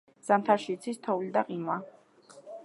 ზამთარში იცის თოვლი და ყინვა.